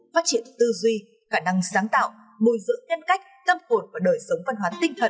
phát triển tư duy khả năng sáng tạo bồi dưỡng nhân cách tâm hồn và đời sống văn hóa tinh thần